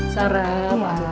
sarah pamit ya